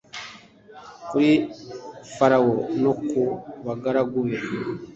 kuri Farawo no ku bagaragu be